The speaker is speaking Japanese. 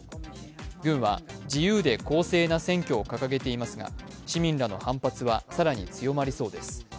軍は、自由で公正な選挙をかかげていますが市民らの反発は更に強まりそうです。